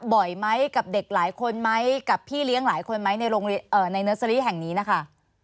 บ่อยไหมกับเด็กหลายคนไหมกับพี่เลี้ยงหลายคนไหมในเนอร์เซอรี่แห่งนี้นะคะ